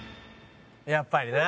「やっぱりな」